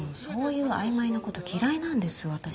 そういう曖昧なこと嫌いなんです私。